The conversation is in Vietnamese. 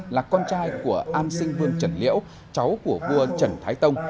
là con trai của an sinh vương trần liễu cháu của vua trần thái tông